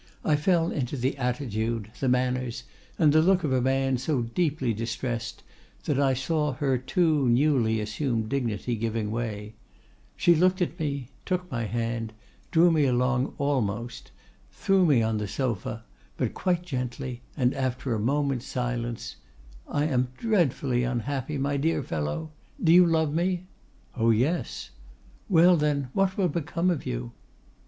I fell into the attitude, the manners, and the look of a man so deeply distressed, that I saw her too newly assumed dignity giving way; she looked at me, took my hand, drew me along almost, threw me on the sofa, but quite gently, and said after a moment's silence, 'I am dreadfully unhappy, my dear fellow. Do you love me?'—'Oh! yes.'—'Well, then, what will become of you?